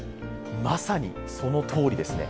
まさに、そのとおりですね。